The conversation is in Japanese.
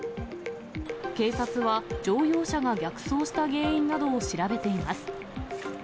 警察は、乗用車が逆走した原因などを調べています。